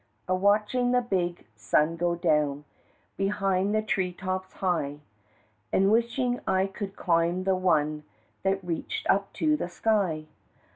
A watchin' the big sun go down Behind the tree tops high, An' wishin' I could climb the one That reached up to the sky.